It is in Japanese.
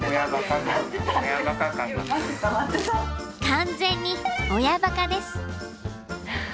完全に親ばかです。